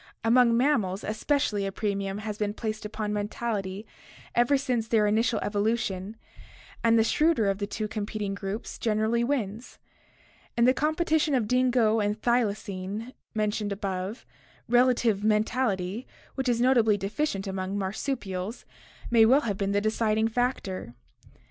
Among mammals especially a premium has been placed upon mentality ever since their initial evolution, and the shrewder of two competing groups generally wins. In the competition of dingo and thylacine mentioned above, relative mentality, which is notably deficient among marsupials, may well have been the deciding factor.